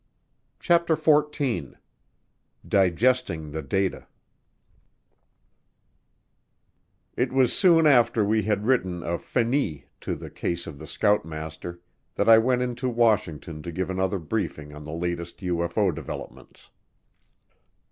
CHAPTER FOURTEEN Digesting the Data It was soon after we had written a finis to the Case of the Scoutmaster that I went into Washington to give another briefing on the latest UFO developments.